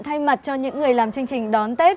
thay mặt cho những người làm chương trình đón tết